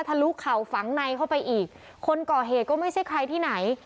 ลุเข่าฝังในเข้าไปอีกคนก่อเหตุก็ไม่ใช่ใครที่ไหน